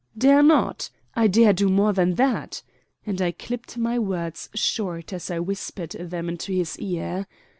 "Dare not? I dare do more than that," and I clipped my words short as I whispered them into his ear.